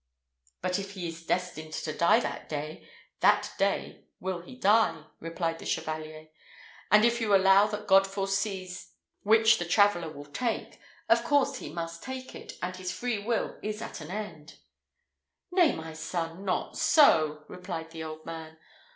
"But if he is destined to die that day, that day will he die," replied the Chevalier. "And if you allow that God foresees which the traveller will take, of course he must take it, and his free will is at an end." "Nay, my son, not so," replied the old man.